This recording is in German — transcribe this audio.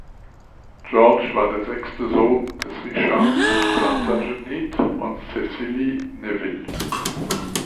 George war der sechste Sohn des Richard Plantagenet und Cecily Neville.